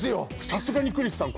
さすがにクリスさん